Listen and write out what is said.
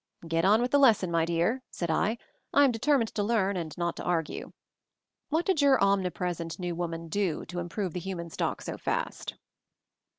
"Get on with the lesson, my dear," said I. "I am determined to learn and not to argue. What did your omnipresent new woman do to improve the human stock so fast?"